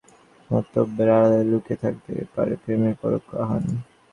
Facebook দেখুন কারও হেঁয়ালিপূর্ণ মন্তব্যের আড়ালে লুকিয়ে থাকতে পারে প্রেমের পরোক্ষ আহ্বান।